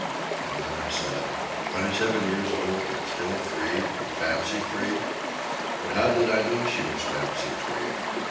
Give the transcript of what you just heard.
And then I said, "Twenty seven years old and still free and fancy free?" But how did I know she was fancy free?